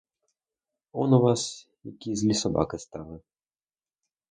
Он у вас які злі собаки стали!